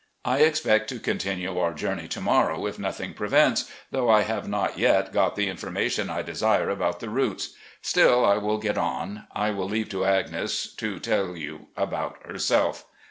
I expect to continue our journey to morrow, if nothing prevents, though I have not yet got the information I desire about the routes. Still, I will get on. I win leave to Agnes to tell about herself.